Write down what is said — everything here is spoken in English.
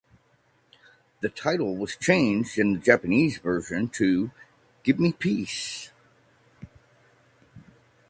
The title was changed in the Japanese version to "Give me Peace".